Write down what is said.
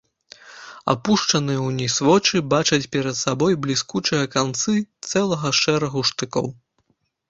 Апушчаныя ўніз вочы бачаць перад сабой бліскучыя канцы цэлага шэрагу штыкоў.